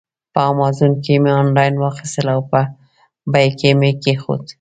په امازان کې مې آنلاین واخیستل او په بیک کې مې کېښودل.